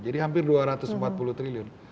jadi hampir dua ratus empat puluh triliun